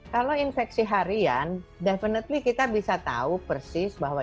kalau infeksi harian definitely kita bisa tahu persis bahwa